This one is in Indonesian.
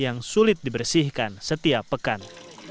yang sulit dibersihkan setiap pekan